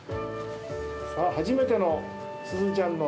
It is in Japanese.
さあ、初めてのすずちゃんの。